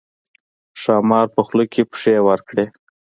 ښامار په خوله کې پښې ورکړې.